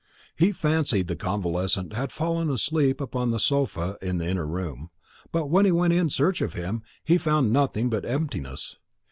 He fancied the convalescent had fallen asleep upon the sofa in the inner room; but when he went in search of him, he found nothing but emptiness.